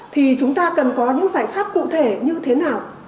thì chúng ta cần có những giải pháp cụ thể như thế nào